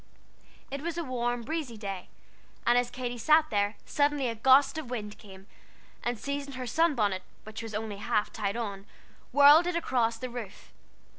It was a warm, breezy day, and as Katy sat here, suddenly a gust of wind came, and seizing her sun bonnet, which was only half tied on, whirled it across the roof.